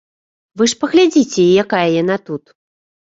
Вы ж паглядзіце, якая яна тут.